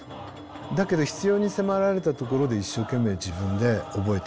だけど必要に迫られたところで一生懸命自分で覚えてきた。